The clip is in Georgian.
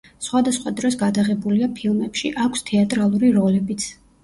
სხვადასხვა დროს გადაღებულია ფილმებში, აქვს თეატრალური როლებიც.